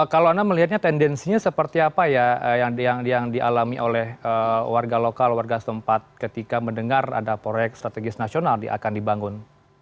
kalau anda melihatnya tendensinya seperti apa ya yang dialami oleh warga lokal warga setempat ketika mendengar ada proyek strategis nasional akan dibangun